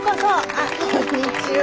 あこんにちは。